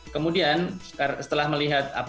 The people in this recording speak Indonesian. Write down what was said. kemudian setelah melihat